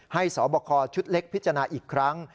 สบคชุดเล็กพิจารณาอีกครั้ง